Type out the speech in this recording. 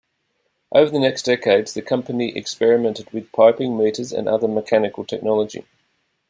Over the next decades the company experimented with piping, meters, and other mechanical technology.